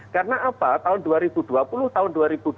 karena apa tahun dua ribu dua puluh tahun dua ribu dua puluh satu